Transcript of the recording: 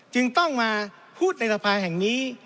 จึงต้องมาพูดในสภาแห่งนี้